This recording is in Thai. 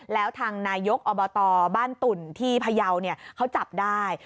แล้วทางนายกอบตบ้านตุ่นที่พยาวเขาจับได้